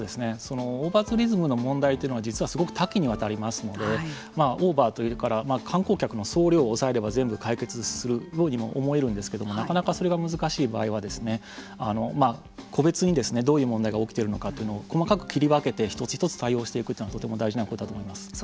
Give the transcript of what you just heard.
オーバーツーリズムの問題というのは実はすごく多岐にわたりますのでオーバーというから観光客の総量を抑えれば全部解決するようにも思えるんですがなかなかそれが難しい場合は個別にどういう問題が起きているのかというのを細かく切り分けて一つ一つ対応していくというのがとても大事なことだと思います。